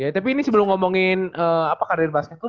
ya tapi ini sebelum ngomongin karir basket tuh